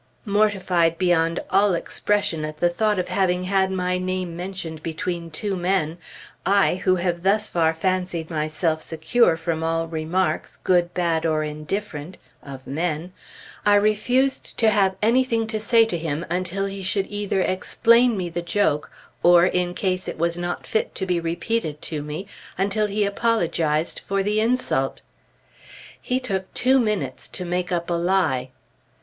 Mortified beyond all expression at the thought of having had my name mentioned between two men, I, who have thus far fancied myself secure from all remarks good, bad, or indifferent (of men), I refused to have anything to say to him until he should either explain me the joke, or, in case it was not fit to be repeated to me, until he apologized for the insult. He took two minutes to make up a lie.